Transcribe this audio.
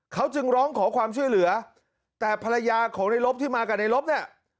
เขาจึงร้องขอความช่วยเหลือแต่ภรรยาของในลบที่มากับในลบเนี่ย